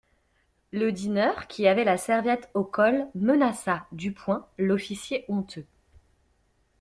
Le dîneur qui avait la serviette au col menaça, du poing, l'officier honteux.